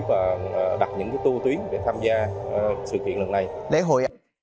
và đặt những tu tuyến để tham gia sự kiện lần này